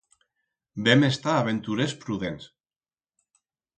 Vem estar aventurers prudents.